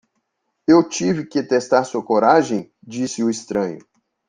"Eu tive que testar sua coragem?", disse o estranho.